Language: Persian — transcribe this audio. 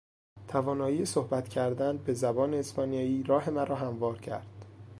توانایی صحبت کردن به زبان اسپانیایی راه مرا هموار کرد.